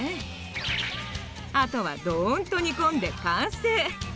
あとはドンと煮込んで完成！